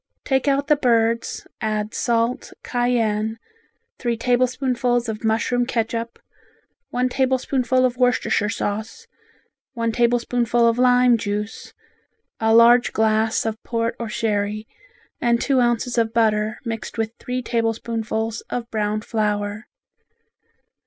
Take out the birds, add salt, cayenne, three tablespoonfuls of mushroom catsup, one tablespoonful Worcestershire sauce, one tablespoonful of lime juice, a large glass of port or sherry, and two ounces of butter, mixed with three tablespoonfuls of browned flour.